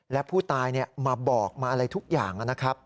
และผู้ตายมาบอกมาอะไรทุกอย่างนะครับ